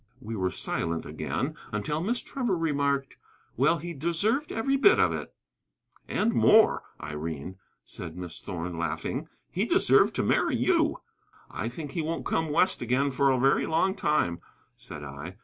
We were silent again until Miss Trevor remarked: "Well, he deserved every bit of it." "And more, Irene," said Miss Thorn, laughing; "he deserved to marry you." "I think he won't come West again for a very long time," said I.